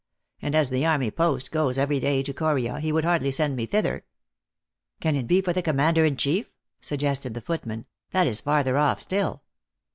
And as the army post goes every day to Coma, he would hardly send me thither." " Can it be for the commander in chief ?" suggested the footman. " That is farther off still."